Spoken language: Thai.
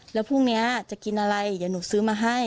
แล้วพรุ่งนี้จะกินอะไรเดี๋ยวหนูซื้อมาให้